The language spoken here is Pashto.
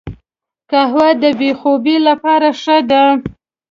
قهوه د بې خوبي لپاره ښه ده